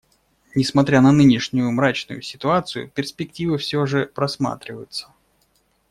Несмотря на нынешнюю мрачную ситуацию, перспективы все же просматриваются.